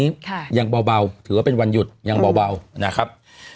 ค่ะยังเบาถือว่าเป็นวันหยุดยังเบานะครับ